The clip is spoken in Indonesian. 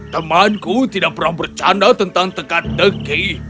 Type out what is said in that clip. temanku tidak pernah bercanda tentang tegak tegak